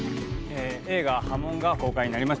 映画「波紋」が公開になります